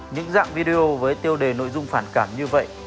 những dạng video với tiêu đề nội dung phản cảm như vậy